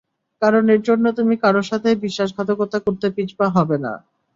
কারণ এর জন্য তুমি কারো সাথেই বিশ্বাসঘাতকতা করতে পিছপা হবে না।